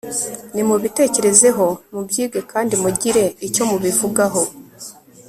nimubitekerezeho, mubyige kandi mugire icyo mubivugaho